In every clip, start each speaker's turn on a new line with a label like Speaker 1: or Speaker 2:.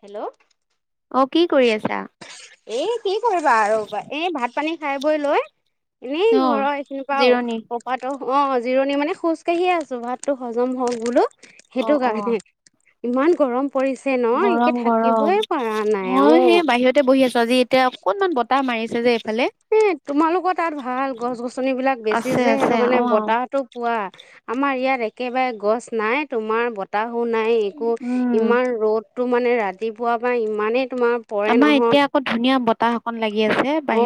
Speaker 1: Hello
Speaker 2: কি কৰি আছা?
Speaker 1: এ কি কৰিবা আৰু এই ভাত পানী খাই লৈ এনেই ঘৰৰ এইখিনিৰ পৰা কপাতো অ' জিৰণি মানে খোজকাঢ়িয়ে আছো ভাততো হজম হওক বোলো। সেইটো কাৰণে ইমান গৰম।
Speaker 2: গৰম গৰম ময়ো সেই বাহিৰতে বহি আছো। আজি এতিয়া অকনমান বত টা মাৰিছে যে
Speaker 1: এ তোমালোকৰ তাত ভাল গছ গছনিবিলাক বেছি যে সেইটো কাৰণে বতাহ‌টো পোৱা। আমাৰ ইয়াত একেবাৰে গছ নাই তোমাৰ বতাহ ও নাই একো ইমান ৰ'দ তো মানে ৰাতিপুৱাৰ পৰাই ইমানেই
Speaker 2: আমাৰ এতিয়া আকৌ ধুনীয়া বত তাহ অকণ লাগিছে।
Speaker 1: অ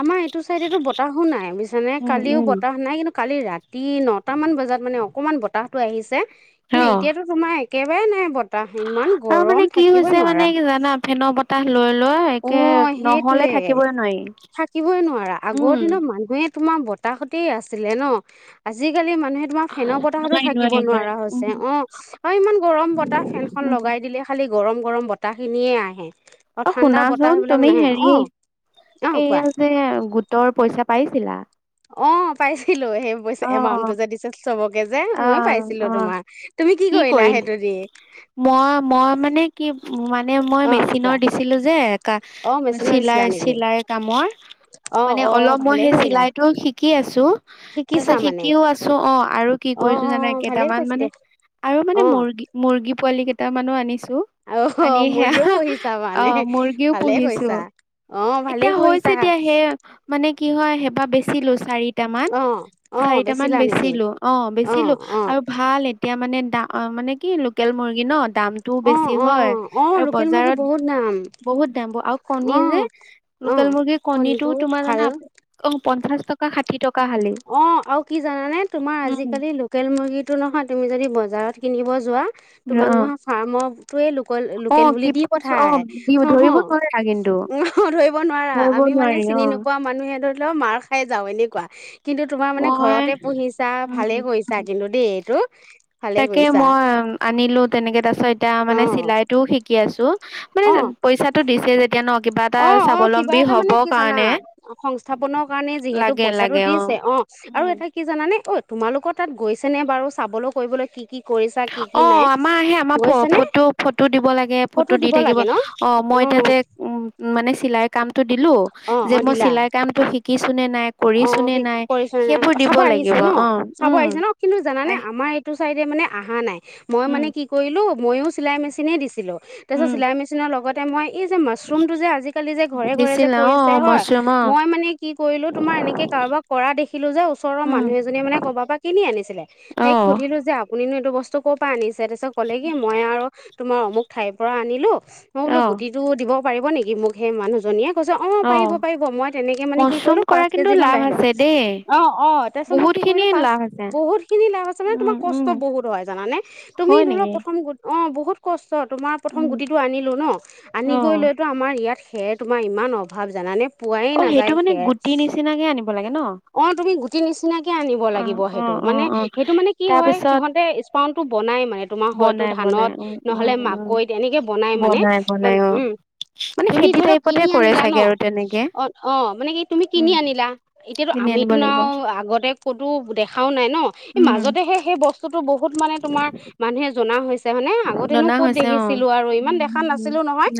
Speaker 1: আমাৰ এইটো চাইদেতো বতাহো নাই বুইছানে কালিও বতাহ নাই কিন্তু কালি ৰাতি তি নটামান বজাত মানে অকণমান বতাহটো আহিছে। কিন্তু এতিয়াতো তোমাৰ এ কেবাৰে নাই বত
Speaker 2: আৰু মানে কি হৈছে মানে কি জানা ফেনৰ বতাহ লৈ লৈ এ
Speaker 1: অ সেইটোৱে থাকিবই নোৱাৰা আগৰ দিনত মানুহে তোমাৰ বতাহতে আছিলে ন আজিকালি মানুহ হে তোমাৰ ফেনৰ বতাহতো থাকিব নোৱাৰা হৈছে অ আৰু ইমান গৰম বতাহ ফেন খন লগাই দিলে খালি গৰম গৰম বতাহখিনিয়ে আহে অ ঠাণ্ডা বত
Speaker 2: চোন তুমি হেৰি এইয়া যে গোটৰ পইচা পাইছ ছিলা
Speaker 1: অ পাইছো। ছিলো সেই পইচা এমাউন্টটো যে দিছে চবকে যে ময়ো পাইছিলো তোমাৰ তুমি কি কৰিলা সেইটো দি অ কোৱা
Speaker 2: কা চিলাইৰ চিলাইৰ কামৰ মানে অলপ মই সেই চিলাইতটো শিকি আছো। তাৰ পিছত শিকিও আছো অ আৰু কি কৰিছো জানে কেইটামান মানে আৰু মানে মুৰ্গী মুৰ্গী পোৱালি কেইটা এ মানুহ আনিছো। মানে সেয়া অ মুৰ্গীও পুহিছো এতিয়া হৈছে দিয়া সেই মানে কি হয় সেইবাৰ বেচিলো চাৰিটামান চাৰিটামান বেচিলো অ বেচিলো আৰু ভাল এতিয়া মানে দা মানে কি লোকেল মুৰ্গী নত দামতটোও বেছি হয় আৰু বজাৰত বহুত দাম আৰু কণী যে লোকেল মুৰ্গীৰ কণীটো তোমাৰ জানা পঞ্চাছ টকা ষাঠি টকা।
Speaker 1: অ আ কি জানানে তোমাৰ আজিকালি লোকেল মুৰ্গীটো নহয় তুমি যদি বজাত। বজাৰত কিনিব যোৱা। তোমাক নহয় ফাৰ্মটোৱে লোকেল লোকেল বুলি দি পঠায় হ উ ধৰিব নোৱাৰা আমি মানে চিনি নোপোৱা মানুহে ধ, মাৰ খাই যাও এনেকুৱা। কিন্তু তোমাৰ মানে ঘৰতে পুহিছা ভালেই কৰিছা কিন্তু দেই এইটো
Speaker 2: তাকে মই আনিলো তেনেকে তাছত এতিয়া মানে চিলাইটো শিকি আছো মানে পইচাতো দিছে যেত
Speaker 1: অ অ কিবা এটা মানে কি জানা সংস্থাপনৰ কাৰণে যিহেতু পইচাটো দিছে অ আৰু এটা কি জানানে ঐ তোমালোকৰ তাত গৈছেনে বাৰু চাবলৈ কৰিবলৈ কি কি
Speaker 2: অ আমাৰ আহে আমাৰ ফটো ফটো দিব লাগে ফটো দি থাকিব অ মই এতিয়া যে উম উম মানে চিলাই কাম টো দিলো যে মই চিলাই কামটো শিক
Speaker 1: অ কি কৰিছ নে নাই চাব আহিছে ন চাব আহিছে ন কিন্তু জানানে আমাৰ এইটো চাইডে মানে আহা নাই। মই মানে কি কৰিল ময়ো চিলাই মেচিনেই দিছিলো। তাছত চিলাই মেচিনৰ লগত মই এই যে মাছৰুম টো যে আজিকালি যে ঘৰে ঘৰে যে কৰিছে হয় মই মানে কি কৰিলোত তোমাৰ এনেকে কাৰোবাক কৰা [unintelligible] ওচৰৰ মানুহ এজনীয়ে মানে কবাৰ পৰা কিনি আনিছ ছিলে, তাইক সুধিলো যে আপুনি টো বস্তু ক'ৰ পৰা আনিছে? তাৰপিছত ক'লে কি মই আৰু তোমাৰ অমুক ঠাইৰ পৰা আনিলোঁ মই বোলো গুটিটো দিব পাৰিব নেকি মোক সেই মানুহজনীয়ে? কৈছোঁ অ, পাৰিব-পাৰিব মই তেনেকে মানে কি কৰিলোঁ কেজি মান লৈ আহিলোঁ, অ, অ তাৰপিছত মই কি কৰিলো, পাঁচ, বহুত খিনি লাভ আছে মানে তোমাৰ কষ্ট বহুত হয় জানানে, তুমি ধৰি লোৱা প্ৰথম অ', বহুত কষ ষ্ট তোমাৰ প্ৰথম গুটিটো আনিলোঁ ন' আনি গৈ লৈতো আমাৰ ইয়াত সেয়ে তোমাৰ ইমান অভাৱ জানানে? পোৱাই নাযায় সেয়াই। অ তুমি গুটি নিচিনাকে আনিব লাগিব সেইটো মানে সেইটো মানে কি হয়, সিহঁতে স্পাৰণটো বনাই মানে তোমাৰ হয়তো ধানত নহ'লে মাকৈত এনেকে বনাই মানে, উম তুমি ধৰি লওক কিনি আনিলা ন? অ মানে তুমি কিনি আনিলা, এতিয়াতো আমিতো ন আগতে ক'তো দেখাও নাই ন? এই মাজতেহে সেই বস্তুতো বহুত মানে তোমাৰ মানুহে জনা হৈছে। মানে আগতেনো ক'ত দেখিছিলো আৰু ইমান দেখা নাছিলো নহয়।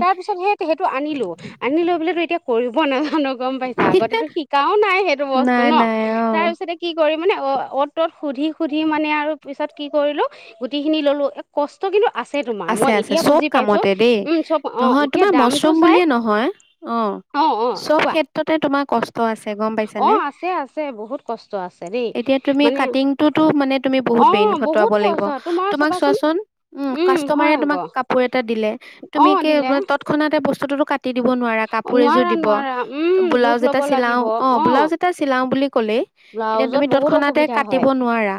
Speaker 1: তাৰ পিছত সেই সেইটো আনিলো আনি লই পেলায় টু এতিয়া কৰিব নেজানক। গম পাইছা? আগতেতো শিকাও নাই সেইটো বস্তু ন? তাৰ পিছতে কি কৰিব মানে অ অ'ত ত'ত সুধি-সুধি মানে আৰু পিছত কি কৰিলো, গুটিখিনি ললো। এক কষ্ট কিন্তু
Speaker 2: আছে-আছে চব কামতে দেই। নহয় তোমাৰ মছৰুম বুলিয়ে নহয়, অ চব ক্ষেত্ৰতে তোমাৰ কষ্ট ত আছে গম পাইছানে? এতিয়া তুমি কাটিংটোতো মানে তুমি বহুত বেইৰিন খটুৱাব লাগিব, তোমাক চোৱাচোন, উ কাষ্টমাৰে তোমাক কাপোৰ এটা দিলে, তুমি কে তৎক্ষণাৎ এটা বস্তুটোতো কাট দি দিব নোৱাৰা কাপোৰ এযোৰ দিব। ব্লাউজ এটা চিলাও, অহ ব্লাউজ এটা চিলাই বুলি ক'লে এতিয়া তুমি তৎক্ষণাতে কাটিব নোৱাৰা,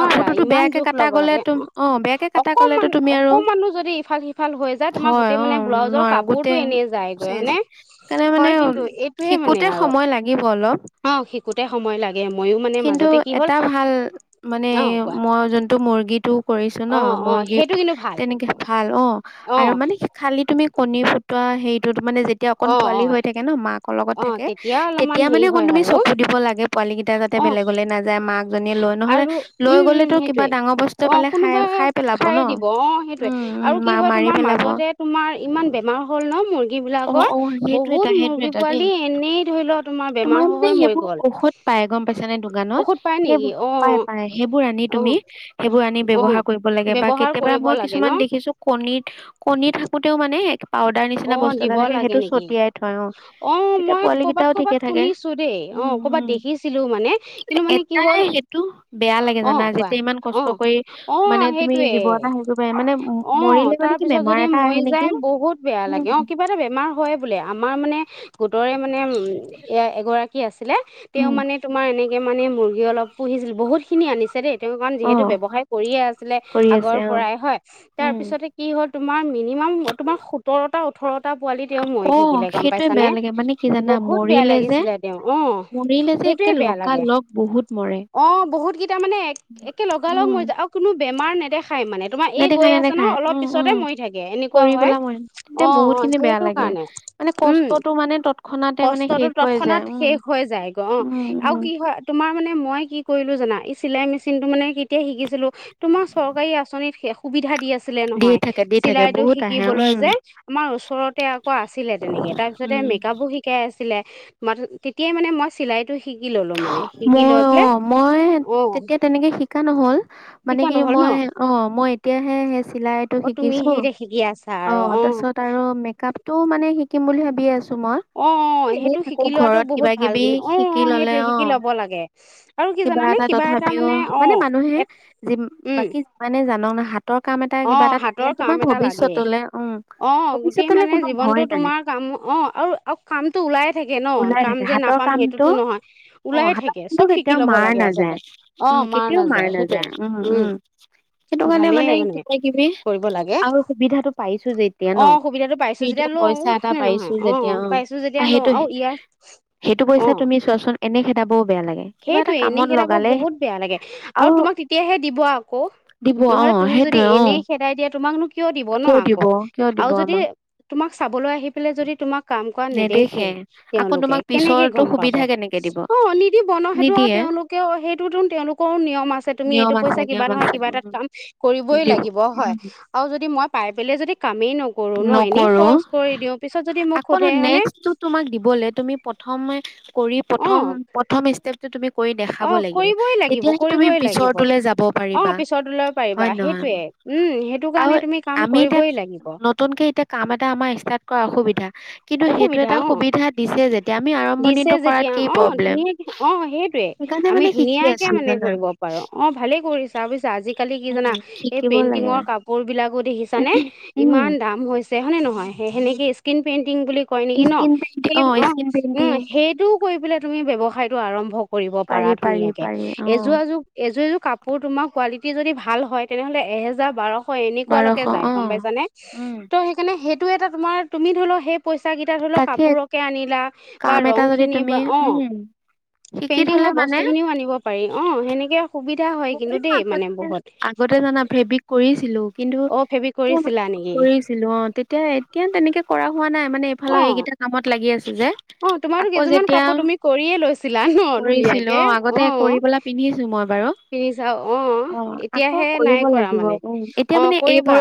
Speaker 2: কাপোৰটোতো বেয়াকে কটা গলে তুম--অ বেয়াকে কটা গ'লে
Speaker 1: অকমানো যদি ইফাল-সিফাল হৈ যায়, তোমাৰ গোটেই মানে ব্লাউজৰ কাপোৰটো এনেই যায়গৈ হয়নে? হয় কিন্তু, এইটোয়ে মানে আৰু, অ শিকোতে সময় লাগে
Speaker 2: কিন্তু এটা ভাল মানে মই যোনটো মুৰ্গী এইটো [inaudible] কৰিছ ন মোৰ গিফ্ট তেনেকে ভাল, অ। আৰু মানে খাল সেই তুমি কণী ফুটোৱা সেইটো মানে যেতিয়া অকণ পোৱালি হৈ থাকে ন মাকৰ লগত থাকে তেতিয়া মানে অকণ তুমি চকু দিব লাগে পোৱালী কেইটা যাতে বেলেগলে নাযায় মাক জনীয়ে লৈ নহলে লৈ গলেতো কিবা ডাঙৰ বস্তু পালে খাই খাই পেলাব ন
Speaker 1: সেইটোয়ে আৰু কি হয় তোমাৰ মাজতে তোমাৰ ইমান বেমাৰ হ'ল ন মুৰ্গী মুৰ্গী বিলাকৰ বহুত মুৰ্গী পোৱালি এনেই ধৰি লও তোমাৰ বেমাৰ হৈ হৈ মৰি গল
Speaker 2: দোকানত সেইব পাই পাই সেইবোৰ আনি তুমি সেইবোৰ আনি ব্যৱহাৰ কৰিব লাগে বা কেতিয়াবা মই কিছুমান দেখিছো কণিত কণিত থাকোতেও মানে এক পাউদাৰ নিচিনা বস্তু থে সেইটো ছটিয়াই থয় অ' তেতিয়া পোৱালি কেইটাও ঠিকে থাকে উম উম এটাই সেইটো বেয়া লাগে জানা যেতিয়া ইমান কষ্ট কৰি মানে তুমি জীৱ এটা হেৰি কৰিব পাৰ মানে মৰিলে মানে কি বেমাৰ এটা আহে নেকি।
Speaker 1: বেয়া লাগে অ' কিবা বেমাৰ হয় বোলে আমাৰ মানে গোটৰে মানে উ এগৰাকী আছে ছিলে তেওঁ মানে তোমাৰ এনে তে মানে মুৰ্গী অলপ পোহিছিল বহুত খিনি আনিছে দেই। তেওঁ কাৰণ যিহেতু ব্যৱসায় কৰিয়ে আছিলে আগৰ পৰাই হয় তাৰ পিছতে কি হ'ল তোমাৰ মিনিমাম তোমাৰ সোতৰটা ওঠৰটা পোৱালি তেওঁ মৰি থাকিলে গম পাইছানে বহুত বেয়া লাগিছিলে তেওঁ অ' সেইটোৱে বেয়া লাগে অ' বহুত কেইটা মানে এক একে লগালগ মৰি যা আৰু কোনো বেমাৰ নেদেখা খাই মানে তোমাৰ এই গৈ আছে নহয় অলপ পিছতে মৰি থাকে এনেকুৱা হয়।
Speaker 2: তেতিয়া বহুত খিনি বেয়া লাগে মানে কষ্টতটো মানে
Speaker 1: কষ্টতো তৎক্ষণাত শেষ হৈ যায় গ অ' আৰু কি হয় তোমাৰ মানে মই কি কৰিলো জানা? চিলাই মেচিনটো মানে কেতিয়া শিকিছিলোঁ তোমাৰ চৰকাৰী আঁচনিত শেষ সুবিধা দি আছে। আছিলে নহয় চিলাইতো শিকিবলৈ যে আমাৰ ওচৰতে আকৌ আছিলে তেনেকে তাৰপিছতে মেকআপো শি চিধাই তেতিয়া মানে মই চিলাইটো শি
Speaker 2: মই অ', মই তেতিয়া তেনেকে শিকা নহ'ল মানে কি মই অ'। মই এতিয়াহে চিলাইতো শিকিছো অ', তাৰপিছত আৰু মেকআপটো মানে শিকিম বুলি ভাবি আছো।
Speaker 1: অ', অ', সেইটো শিকি লোৱাাতটো বহুত ভাল কিনে অ', অ', সেইটোয়ে শি
Speaker 2: অ', কিবা এটা তথাপিও মানে মানুহে বাকী মানে জান না হাত
Speaker 1: অ হাতৰ কাম এটা লাগে অ', গোটেই মানে অ', হাতৰ কাম এটা লাগে অ', গোটেই মানে জীৱনটো তোমাৰ কাম অ', আৰু আও কামটো ওলাইে থাকে ন' কাম যে নাপাম সেইটোতো নহয়।
Speaker 2: অ', হাতত মটো কেতিয়াও মাৰ নাযায় উম, কেতিয়াও মাৰ নাযায় উম, উম, সেইটো কাৰণে মানে তুমি আৰু সুবিধাটো পাইছো যেতিয়া ন' ফ্ৰীতে পইচা এটা পাইছো যেতিয়া অ', সেইটো, সেইটো পইচা তুমি চোৱাচোন সেই তাপ
Speaker 1: সেইটো এনেই খেদাবোৰ বহুত বেয়া লাগে আৰু তোমাক তেতিয়াহে দিব আকৌ নহ'লে তুমি যদি এনেই খেদাই দিয়া তোমাকনো কিয় দিব ন' আকৌ আৰু যদি তোমাক বোলো আহি পেলাই যদি তোমাক কাম কৰা নেদেখেই তেওঁলোকে কেনেকে গম পাব অ', নি সেইটো আৰু তেওঁলোকে সেইটোতো তেওঁলোকৰ নিয়ম আছে তুমি এইটো কইচা কিবা নহয় কিবা এটাত কাম কৰিবই লাগিব হয় আৰু যদি মই পাই আহিলে যদি কামেই ন
Speaker 2: নকৰো আকৌ নহ নেষ্কটো তোমাক দিবলৈ তুমি প্ৰথমে কৰি প্ৰথম প্ৰথম ষ্টেপ যে তুমি
Speaker 1: অ কইবই লাগিব কইবই লাগিব অ পিছটোলৈ পাৰিবা সেইটোয়ে উম সেইটো কাৰণে তুমি কাম কইবই লাগিব
Speaker 2: নতুনকে এতিয়া কাম এটা আমাৰ ষ্টাৰ্ত কৰা অসুবিধা কিন্তু সেইটো এটা সুবিধা দিছে যেতিয়া আমি আৰম্ভণিটো কৰাত কি প্ৰব্লেম
Speaker 1: আমি ধুনীয়াকে মানে কৰিব পাৰো অ ভালে কৰিছা বুইছা আজি কালি কি জানা এই পেইণ্টিঙৰ কাপোৰ বিলাকো দেখিছানে ইমান দাম হৈছে। হয়নে নহয় সেই সেনেকে স্ক্ৰীণ পেইনট টিঙ বুলি কয় নিকি নহ অ উ সেইটো ও কৰি পেলাই তুমি ব্যৱসায় টো আৰম্ভ কৰিব পাৰা ধুনীয়াকে এযোৰাযোৰ এযোৰ এযোৰ কাপোৰ তোমাৰ কোৱালিটি যদি ভাল হয় তেনেহ'লে এহেজাৰ বাৰশ হয় এনেকুৱ লৈকে যায় গম পাইছ নে ত' সেইকাৰণে সেই তো এ তোমাৰ তুমি ধৰিল সেই পইচা ক ধৰি লওক কাপোৰকে আনা বা ৰং খিনি বা অ পেইন্টিঙ বছ বস্তুখিনিও আনিব পাৰি অঁ সেনেকৈ
Speaker 2: আগতে আগতে জানা ফেবিক কৰিছিলো কিন্তু এ কৰিছিলো অ তেতিয়া এতিয়া তেনেকে কৰা হোৱা নাই মানে এইফাল এইকেইটা কামত লাগি আছো
Speaker 1: অ তোমাৰো কেইজোৰমান কাপোৰ তুমি কৰিয়েই লৈছিলা ন ধুনীয়াকে অ পিন্ধি চাও অ এতিয়াহে নাই কৰা মানে অ কৰিবা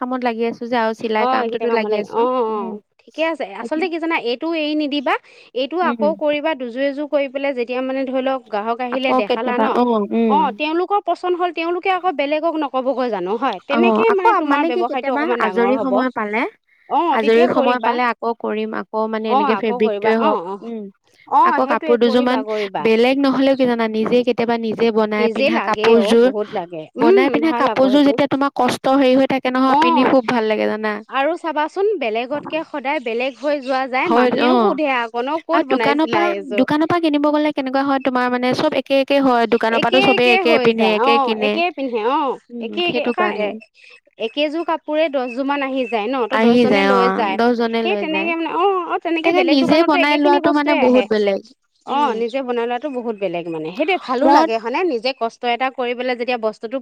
Speaker 2: কামত লাগি আছে
Speaker 1: অ এইকেইটা কাম লাগে অ অ ঠিকে আছে আচলতে কি জানা এইটো এৰি নিদিবা এইটো আকৌ কৰিবা দুযোই এযু কৰি পেলাই যেতিয়া মানে ধৰি লওক গ্ৰাহক আহিলে দেখালা ন অ তেওঁলোকৰ পচন্দ হল তেওঁওলোকে আকৌ বেলেগক নক সবগৈ জানো হয় তেনেকে মানে তোমাৰ ব্যয়সায়তটো অকণমান দাম হ'ল
Speaker 2: আজৰি সময় পালে, আজৰি সময় পালে আকৌ কৰিম আকৌ মানে এনেকে ফেব্ৰিকটোয়ে হওক। উম আকৌ কাপোৰ দু যোৰমান বেলেগ নহলেও কি জানা নিজে কেতিয়াবা নি যে বনাই পিন্ধা কাপোৰযোৰ বনাই পিন্ধা কাপোৰযোৰ যেতিয়া
Speaker 1: অ' আৰু চাবাচোন, বেলেগতকে সদায় বেলেগ।
Speaker 2: হয় অ', আৰু দোকানৰ পৰা দোকানৰ পৰা কিনিব গলে কেনেকুৱা হয় তোমাৰ মানে চব একেই
Speaker 1: একে একে হৈ যায়, অ' একে পিন্ধে অ' একে একে কাৰণ এ-একেযোৰ কাপোৰে দহ যোৰ মান আহি যায় ন, ত' দহজনে লৈ যায়। সেই তেনেকে মানে অ'। তেনেকে বেলেগ দোকানতো একে খিনি বস্তুয়ে আহে। অ' নিজে বনাই লোৱাতো বহুত বেলেগ মানে সেইটোৱে। ভালো লাগে হয়নে নিজে কষ্ট এটা কৰি পেলে যেতিয়া বস্তুটো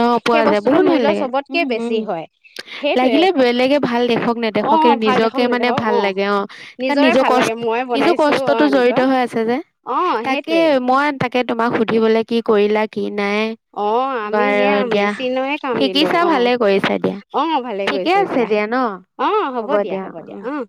Speaker 2: অ' পোৱা যায় বহুত ভাল লাগে। উম উম, লাগিলে বেলেগে ভাল দেখক নেদেখক কিন্তু নিজকে মানে ভাল লাগে। অ' কাৰণ নিজৰ কষ্ট নিজৰ কষ্টতো জঢ়িত হৈ আছে যে। তাকে মই তাকে তোমাক সুধিবলে, কি কৰিলা কি?
Speaker 1: অ'। আমি সেয়া মেচিনৰহে কাম দিলো। অ' আহ, ভালে কৰিছো দিয়া, অ' হ'ব দিয়া হ'ব দিয়া। অ'!